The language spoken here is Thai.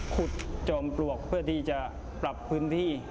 จอมปลวกเพื่อที่จะปรับพื้นที่